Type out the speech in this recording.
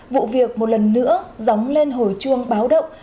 vụ việc một lần nữa dóng lên hồi chuông báo động